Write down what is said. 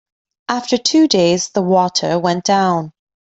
After two days the water went down.